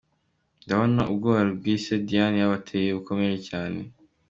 Com? Ndabona ubwoba rwise Diane yabateye bukomeye cyane hhhh.